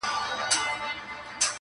هر انسان خپل حقيقت لټوي تل،